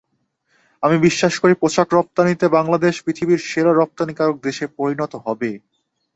আমি বিশ্বাস করি, পোশাক রপ্তানিতে বাংলাদেশ পৃথিবীর সেরা রপ্তানিকারক দেশে পরিণত হবে।